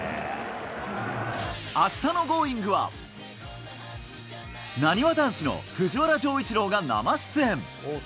あしたのＧｏｉｎｇ！は、なにわ男子の藤原丈一郎が生出演。